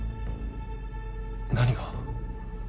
何が？